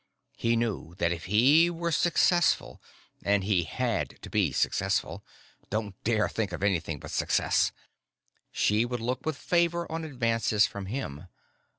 He knew that if he were successful and he had to be successful: don't dare think of anything but success! she would look with favor on advances from him.